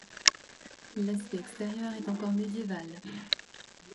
L’aspect extérieur est encore médiéval.